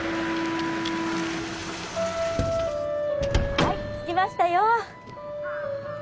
はい着きましたよ